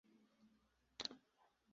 La gran mayoría de su terreno es montañoso.